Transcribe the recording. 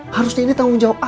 harusnya ini tanggung jawab